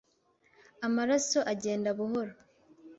Amaraso agenda buhoro